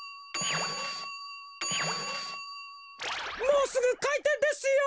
もうすぐかいてんですよ！